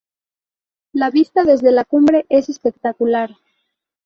La vista desde la cumbre es espectacular.